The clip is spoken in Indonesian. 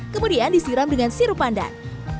kemudian disiram dengan sirup pandan